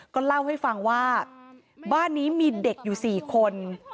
ก็เล่าให้ฟังว่าบ้านนี้มีเด็กอยู่๔คน